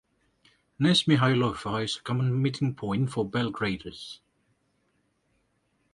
Knez Mihailova is a common meeting point for Belgraders.